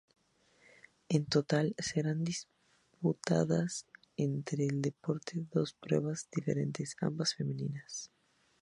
En total serán disputadas en este deporte dos pruebas diferentes, ambas femeninas.